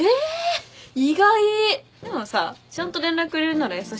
でもさちゃんと連絡くれるなら優しいじゃん。